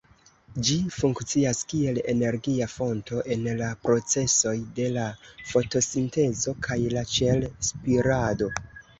Ĝi funkcias kiel energia fonto en la procesoj de la fotosintezo kaj la ĉel-spirado.